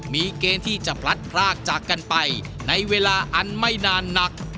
มีเกณฑ์ที่จะพลัดพรากจากกันไปในเวลาอันไม่นานนัก